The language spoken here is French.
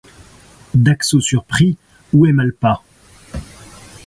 d'Aguesseau surpris, où est Mal-pas ?